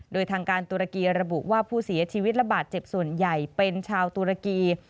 โดยทางการตุรกีระบุว่าผู้เสียชีวิตระบาดเจ็บส่วนใหญ่เป็นชาวตุรกี